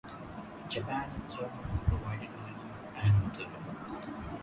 Japan and Germany provided money and material.